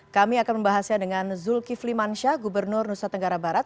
kami akan membahasnya dengan zulkifli mansyah gubernur nusa tenggara barat